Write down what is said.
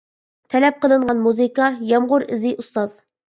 تەلەپ قىلىنغان مۇزىكا : يامغۇر ئىزى ئۇستاز.